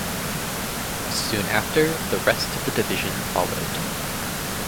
Soon after, the rest of the division followed.